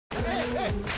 はい！